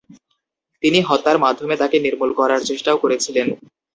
তিনি হত্যার মাধ্যমে তাকে নির্মূল করার চেষ্টাও করেছিলেন।